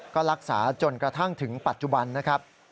ก็รักษาจนกระทั่งถึงปัจจุบันนะครับ